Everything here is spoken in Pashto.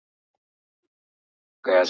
منځلاريتوب د اسلامي امت ځانګړتيا ده.